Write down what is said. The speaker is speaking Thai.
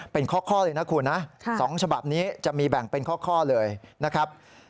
เป็นข้อเลยนะคุณนะ๒ฉบับนี้จะมีแบ่งเป็นข้อเลยนะครับ